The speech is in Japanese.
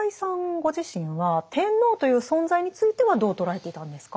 ご自身は天皇という存在についてはどう捉えていたんですか？